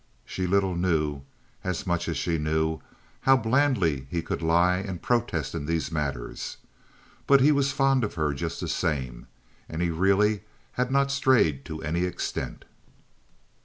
She little knew, as much as she knew, how blandly he could lie and protest in these matters. But he was fond of her just the same, and he really had not strayed to any extent.